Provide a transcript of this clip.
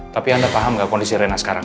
tapi anda paham nggak kondisi rena sekarang